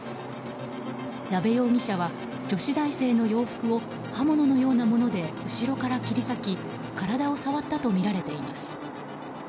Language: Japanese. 矢部容疑者は女子大生の洋服を刃物のようなもので後ろから切り裂き体を触ったとみられています。